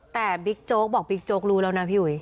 แต่บิ๊กโจ๊กบอกบิ๊กโจ๊กรู้แล้วนะพี่อุ๋ย